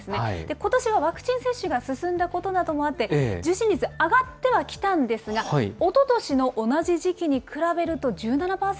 ことしはワクチン接種が進んだことなどもあって、受診率上がってはきたんですが、おととしの同じ時期に比べると１７％